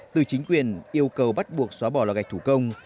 từ chính quyền yêu cầu bắt buộc xóa bỏ lò gạch thủ công